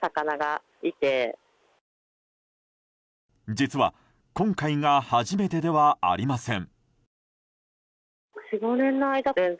実は今回が初めてではありません。